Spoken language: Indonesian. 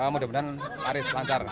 mudah mudahan laris lancar